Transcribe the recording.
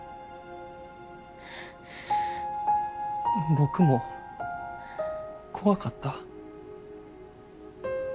僕も怖かった。